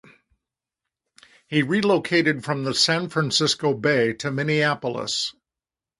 He relocated from the San Francisco Bay to Minneapolis.